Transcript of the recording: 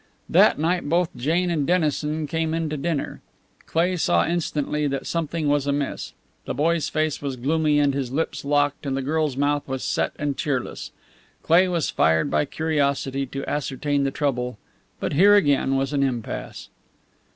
That night both Jane and Dennison came in to dinner. Cleigh saw instantly that something was amiss. The boy's face was gloomy and his lips locked, and the girl's mouth was set and cheerless. Cleigh was fired by curiosity to ascertain the trouble, but here again was an impasse.